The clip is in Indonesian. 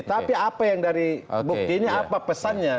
tapi apa yang dari buktinya apa pesannya